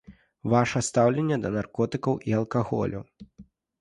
Ваша стаўленне да наркотыкаў і алкаголю.